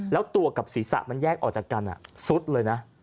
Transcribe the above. แล้วตัวกับศีรษะมันแยกออกจากกันซุดเลยนะ